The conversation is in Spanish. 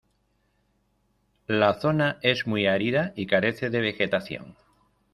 La zona es muy árida y carece de vegetación.